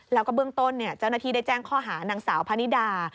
แล้วก็เบื้องต้นเจ้าหน้าที่ได้แจ้งข้อหานางสาวพะนิดา